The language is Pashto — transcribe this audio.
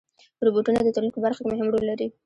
روبوټونه د تولید په برخه کې مهم رول لري.